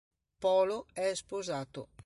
Polo è sposato.